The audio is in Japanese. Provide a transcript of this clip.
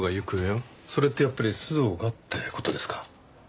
それってやっぱり須藤がって事ですか？